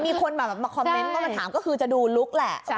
มีคนมาคอมเมนต์ก็มาถามก็คือจะดูลุคแหละ